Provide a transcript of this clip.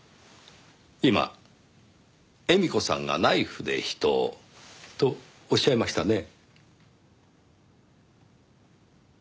今「絵美子さんがナイフで人を」とおっしゃいましたね？